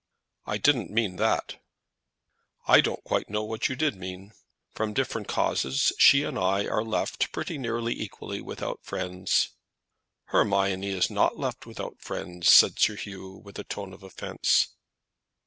"I didn't mean that." "I don't quite know what you did mean. From different causes she and I are left pretty nearly equally without friends." "Hermione is not left without friends," said Sir Hugh with a tone of offence.